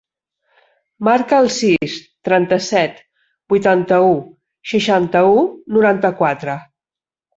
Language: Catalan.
Marca el sis, trenta-set, vuitanta-u, seixanta-u, noranta-quatre.